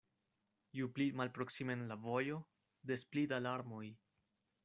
Ju pli malproksimen la vojo, des pli da larmoj.